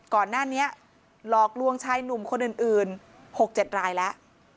ก่อนหน้านี้หลอกลวงชายหนุ่มคนอื่น๖๗รายแล้ว